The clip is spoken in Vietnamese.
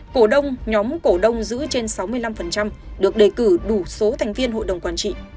cổ đông nhóm cổ đông giữ trên sáu mươi năm được đề cử đủ số thành viên hội đồng quản trị